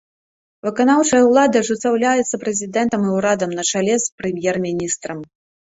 Выканаўчая ўлада ажыццяўляецца прэзідэнтам і ўрадам на чале з прэм'ер-міністрам.